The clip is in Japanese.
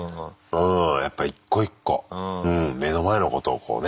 やっぱ一個一個目の前のことをこうね。